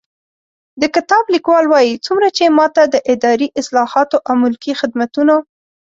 د کتاب لیکوال وايي، څومره چې ما ته د اداري اصلاحاتو او ملکي خدمتونو